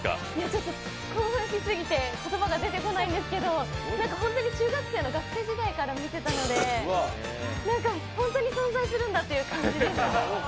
ちょっと興奮しすぎて言葉が出てこないんですけど本当に中学生の学生時代から見てたので、なんかホントに存在するんだって感じです。